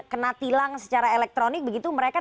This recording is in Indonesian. kena tilang secara elektronik begitu mereka